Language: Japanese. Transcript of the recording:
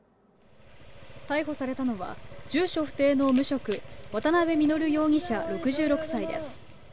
逮捕されたのは、住所不定の無職、渡部稔容疑者６６歳です。